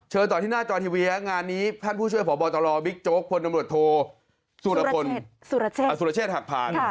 เชิญต่อที่หน้าจอยทีวีงานนี้ท่านผู้ช่วยผ่อบอตรบิ๊กโจ๊กคนอำนาจารย์โทสุรเชษฐ์หักผ่าน